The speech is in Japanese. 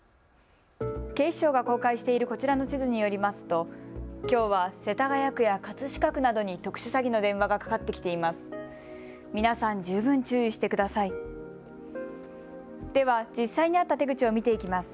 警視庁が公開しているこちらの地図によりますときょうは世田谷区や葛飾区などに特殊詐欺の電話がかかってきています。